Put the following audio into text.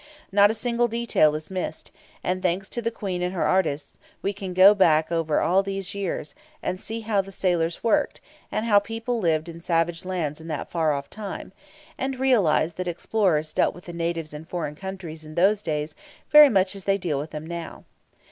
Not a single detail is missed, and, thanks to the Queen and her artists, we can go back over all these years, and see how sailors worked, and how people lived in savage lands in that far off time, and realize that explorers dealt with the natives in foreign countries in those days very much as they deal with them now.